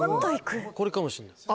これかもしんないです。